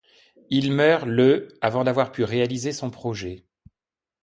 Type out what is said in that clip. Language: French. Il meurt le avant d'avoir pu réaliser son projet.